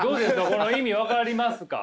この意味分かりますか？